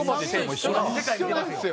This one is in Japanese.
一緒なんですよ。